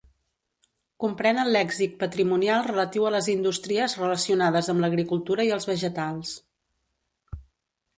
Comprèn el lèxic patrimonial relatiu a les indústries relacionades amb l'agricultura i als vegetals.